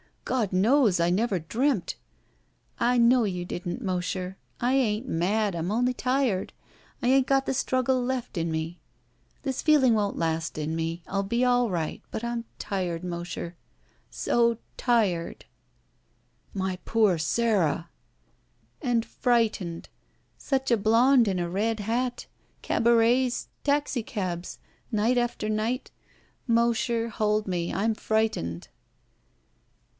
God knows I never dreamt —" "I know you didn't, Mosher. I ain't mad. I'm only tired. I 'ain't got the struggle left in me. This 338 ROULETTE feeling won't last in me, I'll be all right, but I'm tired, Mosher — so tired." "My poor Sara!" "And frightened. Such a blonde in a red hat. Cabarets. Taxicabs. Night after night. Mosher, hold me. I'm frightened."